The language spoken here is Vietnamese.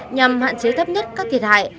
nhằm hạn chế thấp nhất các thiệt hại